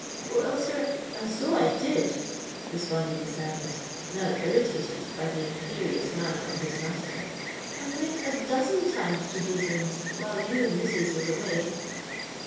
"Well, sir—and so I did," responded the servant, now irritated by the imperious manner of his master. "I went a dozen times to Beeswing's while you and missus was away."